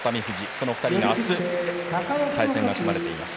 その２人が明日対戦が組まれています。